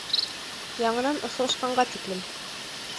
Яңынан осрашҡанға тиклем!